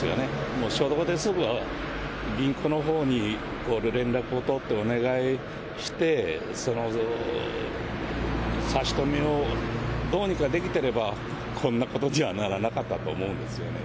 もう初動ですぐ銀行のほうに連絡を取って、お願いして、差し止めをどうにかできてれば、こんなことにはならなかったと思うんですよね。